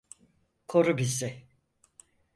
Koru bizi.